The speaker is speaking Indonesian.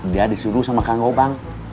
dia disuruh sama kang gobang